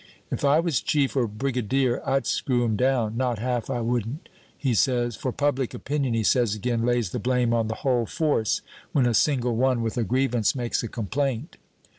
If I was Chief or Brigadier, I'd screw 'em down; not half I wouldn't,' he says; 'for public opinion,' he says again, 'lays the blame on the whole force when a single one with a grievance makes a complaint.'"